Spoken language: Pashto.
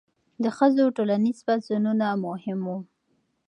د ښځو ټولنیز پاڅونونه مهم وو.